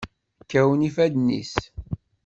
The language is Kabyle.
Kkawen ifadden-is.